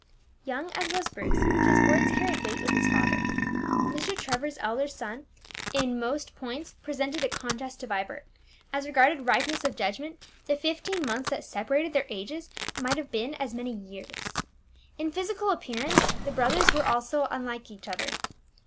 Young as was Bruce, his words carried weight with his father. Mr. Trevor's elder son in most points presented a contrast to Vibert; as regarded ripeness of judgment, the fifteen months that separated their ages might have been as many years. In physical appearance the brothers were also unlike each other.